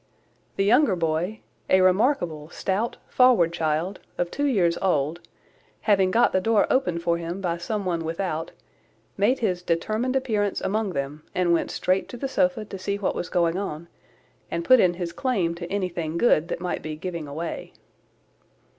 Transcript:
The younger boy, a remarkable stout, forward child, of two years old, having got the door opened for him by some one without, made his determined appearance among them, and went straight to the sofa to see what was going on, and put in his claim to anything good that might be giving away.